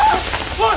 おい！